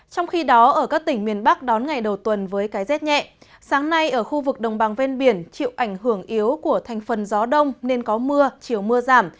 trong khi đó ở các tỉnh miền bắc đón ngày đầu tuần với cái rét nhẹ sáng nay ở khu vực đồng bằng ven biển chịu ảnh hưởng yếu của thành phần gió đông nên có mưa chiều mưa giảm